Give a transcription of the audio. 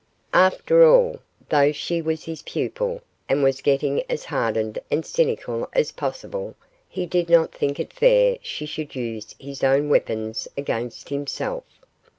After all, though she was his pupil, and was getting as hardened and cynical as possible, he did not think it fair she should use his own weapons against himself.